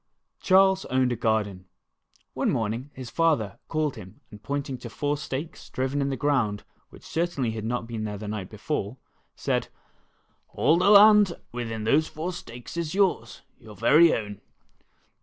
CHARLES owned a garden. One morning his father called him and pointing to four stakes driven in the ground which certainly had not been there the night before, said : ''AH the land within those four stakes is yours, your ver\ o^^Tl.